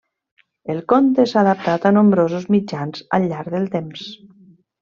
El conte s'ha adaptat a nombrosos mitjans al llarg del temps.